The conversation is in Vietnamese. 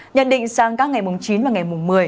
nhận định sang các ngày mùng chín và ngày mùng một mươi